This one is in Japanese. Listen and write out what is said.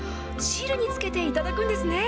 汁につけて頂くんですね。